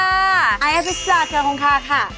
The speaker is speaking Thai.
อาหัยอภิกษาเชียวของขาค่ะ